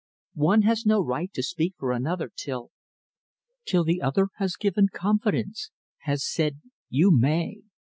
One has no right to speak for another till till the other has given confidence, has said you may.